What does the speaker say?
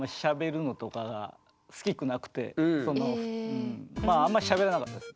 ただまああんましゃべらなかったです。